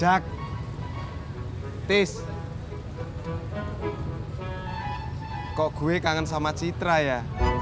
dak tis kok gue kangen sama citra ya